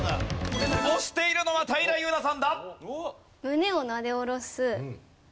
押しているのは平祐奈さんだ！